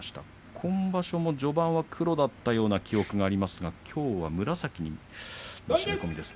今場所も序盤は黒だったような記憶がありますがきょうは紫の締め込みです。